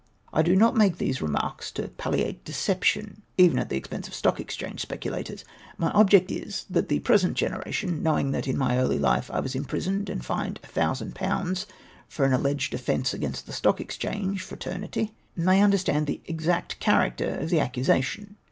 I do not make these remarks to palliate deception, even at the expense of Stock Exchange speculators. My object is, that the present generation, knowing that in my early hfe I was imprisoned and fined 1000/. for an alleged offence against the Stock Exchange fi'ater nity, may luiderstand the exact character of the accu sation.